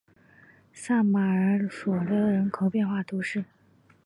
萨马尔索勒人口变化图示